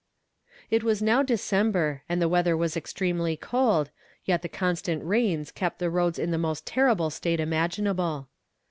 It was now December and the weather was extremely cold, yet the constant rains kept the roads in the most terrible state imaginable.